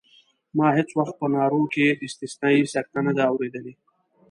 ما هېڅ وخت په نارو کې استثنایي سکته نه ده اورېدلې.